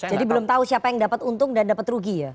jadi belum tahu siapa yang dapat untung dan dapat rugi ya